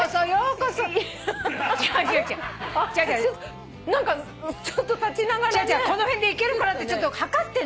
この辺でいけるかなってちょっと測ってんのよ距離感を。